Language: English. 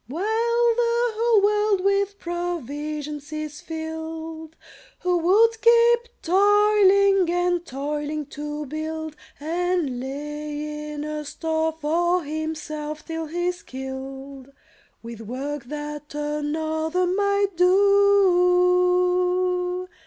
"While the whole world with provisions is filled, Who would keep toiling and toiling, to build And lay in a store for himself, till he's killed With work that another might do?